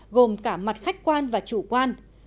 gồm cả mặt khách quan và chủ quan